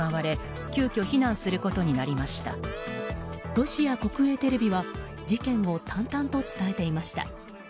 ロシア国営テレビは事件を淡々と伝えていました。